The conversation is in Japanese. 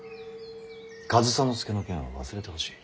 上総介の件は忘れてほしい。